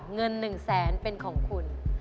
เงินหนึ่งแสนเป็นของโทษคุณ